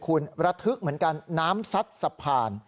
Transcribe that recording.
คุณระทึกเหมือนกันน้ำซัดสะพาน